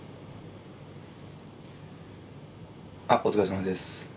お疲れさまです